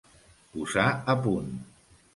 Posar a punt.